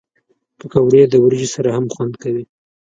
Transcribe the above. پکورې د وریجو سره هم خوند کوي